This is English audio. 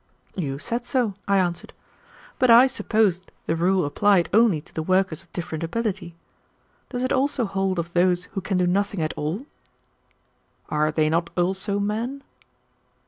"You said so," I answered, "but I supposed the rule applied only to the workers of different ability. Does it also hold of those who can do nothing at all?" "Are they not also men?"